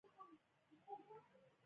د پوستکي سوداګري اروپا ته پراخه شوه.